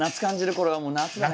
これはもう夏だね。